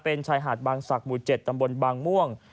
เป็นชายหาดบางศักดิ์หมู่๗ตำบลบางม่วง